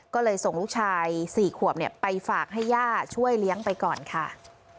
ก็เลยส่งลูกชาย๔ขวบไปฝากให้ย่าช่วยเลี้ยงไปก่อนค่ะ